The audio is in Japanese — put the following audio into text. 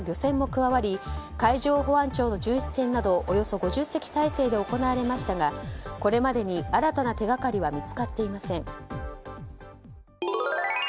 加わり海上保安庁の巡視船などおよそ５０隻態勢で行われましたが、これまでに新たな手掛かりは見つかっていません。